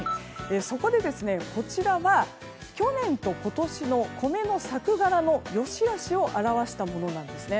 そこで、去年と今年の米の作柄の良しあしを表したものです。